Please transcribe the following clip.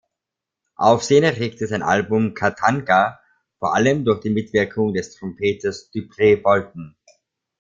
Aufsehen erregte sein Album "Katanga", vor allem durch die Mitwirkung des Trompeters Dupree Bolton.